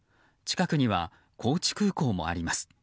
近くには高知空港もあります。